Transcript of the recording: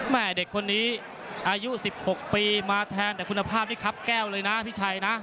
แม่เด็กคนนี้อายุ๑๖ปีมาแทนแต่คุณภาพนี่ครับแก้วเลยนะพี่ชัยนะ